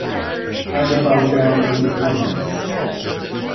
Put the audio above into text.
Azerbaijan republic.